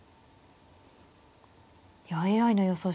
いやＡＩの予想